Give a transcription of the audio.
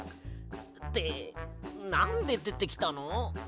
ってなんででてきたの？